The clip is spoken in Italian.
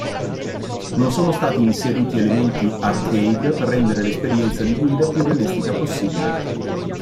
Non sono stati inseriti elementi arcade per rendere l'esperienza di guida più realistica possibile.